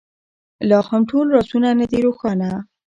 لا هم ټول رازونه نه دي روښانه.